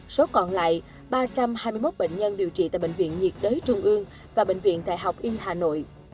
số còn lại ba trăm hai mươi một bệnh nhân điều trị tại bệnh viện nhiệt đới trung ương và bệnh viện đại học y hà nội